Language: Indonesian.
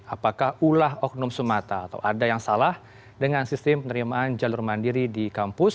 apakah ulah oknum semata atau ada yang salah dengan sistem penerimaan jalur mandiri di kampus